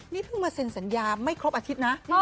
นี่เพิ่งมาเซ็นสัญญาไม่ครบอาทิตย์นะ